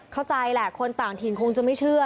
เข้าใจแหละคนต่างถิ่นคงจะไม่เชื่อ